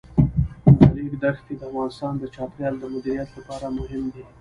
د ریګ دښتې د افغانستان د چاپیریال د مدیریت لپاره مهم دي.